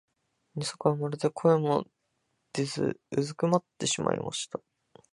二疋はまるで声も出ず居すくまってしまいました。